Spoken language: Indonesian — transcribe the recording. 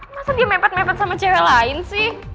masa dia mepet mepet sama cewek lain sih